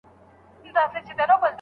که لکه شمع ستا په لاره کي مشل نه یمه